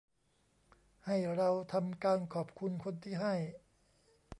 ให้เราทำการขอบคุณคนที่ให้